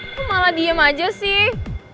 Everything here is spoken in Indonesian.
aku malah diem aja sih